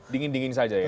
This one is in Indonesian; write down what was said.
dingin dingin saja ya